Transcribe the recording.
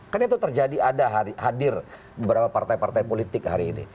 kan itu terjadi ada hadir beberapa partai partai politik hari ini